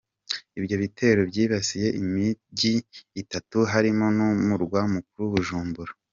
Ibyo bitero byibasiye imijyi itatu harimo n'umurwa mukuru Bujumbura.